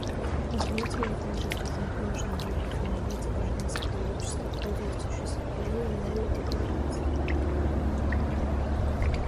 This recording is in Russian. Позвольте мне также признать важную роль организаций гражданского общества в ходе осуществления нами Декларации.